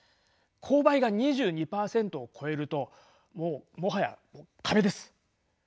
勾配が２２％を超えるともうもはや壁です。